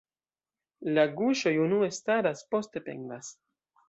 La guŝoj unue staras, poste pendas.